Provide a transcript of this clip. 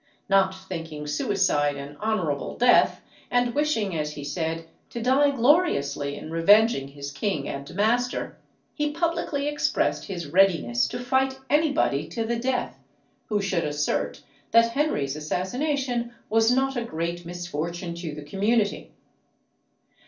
Not thinking suicide an honourable death, and wishing, as he said, to die gloriously in revenging his king and master, he publicly expressed his readiness to fight any body to the death, who should assert that Henry's assassination was not a great misfortune to the community.